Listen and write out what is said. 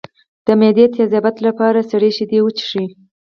د معدې د تیزابیت لپاره سړې شیدې وڅښئ